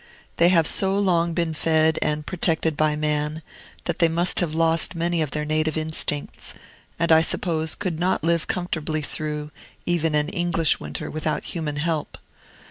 They have so long been fed and protected by man, that they must have lost many of their native instincts, and, I suppose, could not live comfortably through, even an English winter without human help.